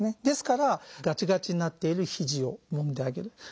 ですからガチガチになっているヒジをもんであげる。